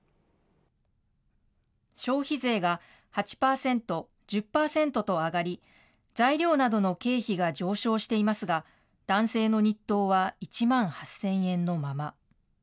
消費税が８％、１０％と上がり、材料などの経費が上昇していますが、男性の日当は１万８０００円のまま。